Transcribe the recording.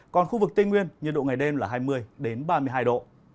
còn khu vực tây nguyên nhiệt độ ngày đêm là hai mươi ba mươi hai độ